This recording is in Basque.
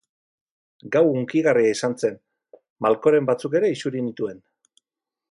Gau hunkigarria izan zen, malkoren batzuk ere isuri nituen.